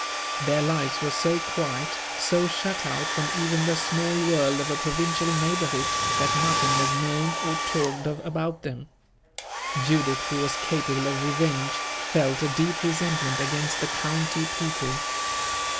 Their lives were so quiet, so shut out from even the small world of a provincial neighborhood, that nothing was known or talked of about them. Judith, who was capable of revenge, felt a deep resentment against the county people.